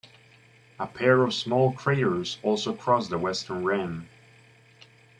A pair of small craters also cross the western rim.